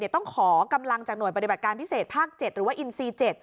ต้องขอกำลังจากหน่วยปฏิบัติการพิเศษภาค๗หรือว่าอินซี๗